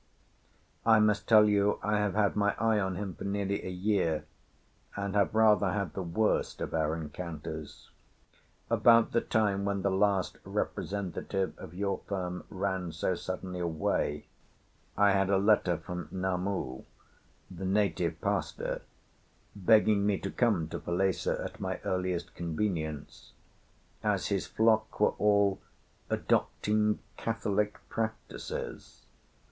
I must tell you I have had my eye on him for nearly a year, and have rather had the worst of our encounters. About the time when the last representative of your firm ran so suddenly away, I had a letter from Namu, the native pastor, begging me to come to Falesá at my earliest convenience, as his flock were all 'adopting Catholic practices.